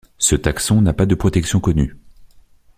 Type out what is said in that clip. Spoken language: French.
Ce taxon n'a pas de protection connue.